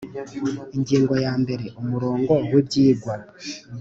Ingingo ya mbere Umurongo w Ibyingwa